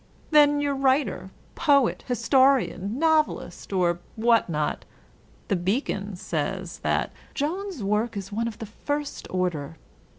Then your writer, poet, historian, novelist, or what not? The Beacon says that "Jones's work is one of the first order."